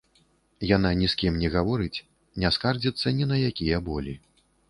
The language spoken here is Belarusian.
Яна ні з кім не гаворыць, не скардзіцца ні на якія болі.